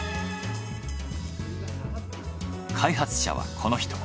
開発者はこの人。